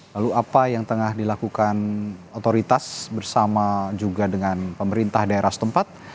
lalu apa yang tengah dilakukan otoritas bersama juga dengan pemerintah daerah setempat